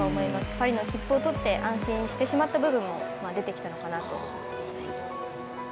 パリの切符を取って、安心してしまった部分も出てきたのかなと。